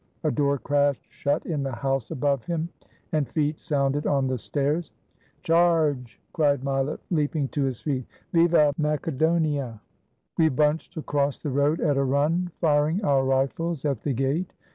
A door crashed shut in the house above him, and feet sounded on the stairs. "Charge!" cried Mileff, leaping to his feet. "Viva Makedonia!" We bunched across the road at a run, firing our rifles at the gate.